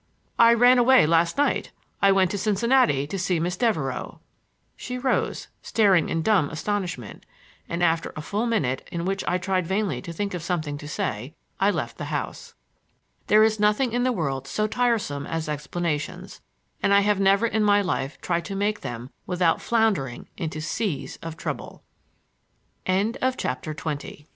"I ran away, last night. I went to Cincinnati to see Miss Devereux." She rose, staring in dumb astonishment, and after a full minute in which I tried vainly to think of something to say, I left the house. There is nothing in the world so tiresome as explanations, and I have never in my life tried to make them without floundering into seas of trouble. CHAPTER XXI PICKERING SERVES NOTICE The next morni